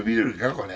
これ。